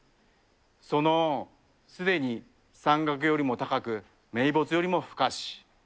その恩、すでに山岳よりも高く、めいぼつよりも深し。